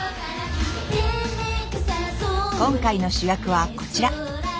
今回の主役はこちら。